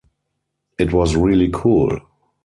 It was really cool.